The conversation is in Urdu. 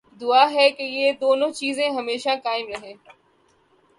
دعا ہے کہ یہ دونوں چیزیں ہمیشہ قائم رہیں۔